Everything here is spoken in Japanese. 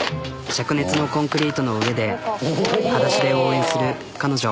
しゃく熱のコンクリートの上ではだしで応援する彼女。